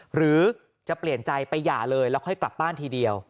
หรือจะเปลี่ยนใจไปหย่าเลยแล้วค่อยกลับบ้านทีเดียว